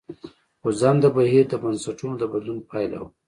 خوځنده بهیر د بنسټونو د بدلون پایله وه.